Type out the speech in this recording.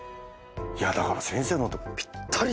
いやだから先生のってぴったり。